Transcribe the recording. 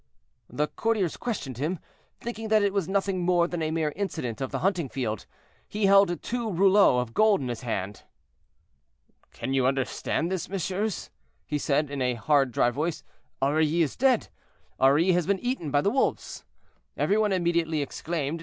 "The courtiers questioned him, thinking that it was nothing more than a mere incident of the hunting field. "He held two rouleaux of gold in his hand. "'Can you understand this, messieurs?' he said, in a hard dry voice; 'Aurilly is dead; Aurilly has been eaten by the wolves.' "Every one immediately exclaimed.